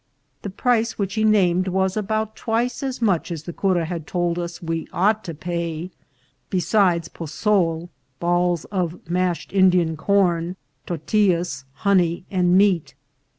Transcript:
The price which he named was about twice as much as the cura told us we ought to pay, besides possol (balls of mashed Indian corn), tortillas, honey, and meat.